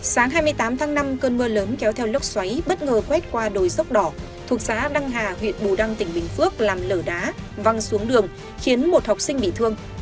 sáng hai mươi tám tháng năm cơn mưa lớn kéo theo lốc xoáy bất ngờ quét qua đồi dốc đỏ thuộc xã đăng hà huyện bù đăng tỉnh bình phước làm lở đá văng xuống đường khiến một học sinh bị thương